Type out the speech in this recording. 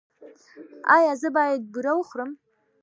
ایا زه باید بوره وخورم؟